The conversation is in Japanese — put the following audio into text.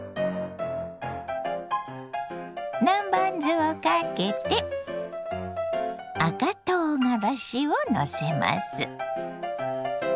南蛮酢をかけて赤とうがらしをのせます。